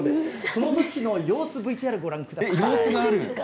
そのときの様子、ＶＴＲご覧くだ様子がある？